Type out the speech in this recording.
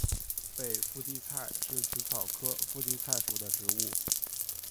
北附地菜是紫草科附地菜属的植物。